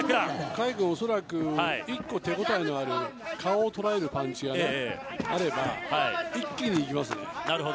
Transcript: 海君は、恐らく１個手ごたえのある顔を捉えるパンチがあれば一気に行きますよね。